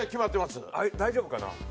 大丈夫かな？